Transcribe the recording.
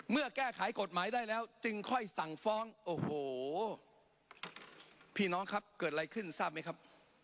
เมื่อแก้ไขกฎหมายได้แล้วจึงค่อยสั่งฟ้องโอ้โหพี่น้องครับเกิดอะไรขึ้นทราบไหมครับ